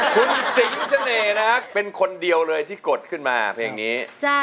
คุณสิงเสน่ห์นะครับเป็นคนเดียวเลยที่กดขึ้นมาเพลงนี้